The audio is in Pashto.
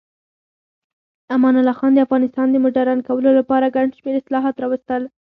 امان الله خان د افغانستان د مډرن کولو لپاره ګڼ شمیر اصلاحات راوستل.